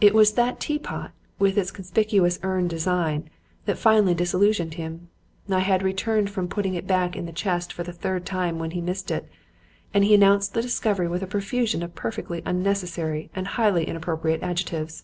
It was that teapot, with its conspicuous urn design, that finally disillusioned him. I had just returned from putting it back in the chest for the third time when he missed it; and he announced the discovery with a profusion of perfectly unnecessary and highly inappropriate adjectives.